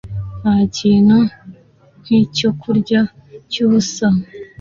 ntakintu nkicyokurya cyubusa